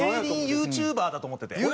ユーチューバーだと思ってるの？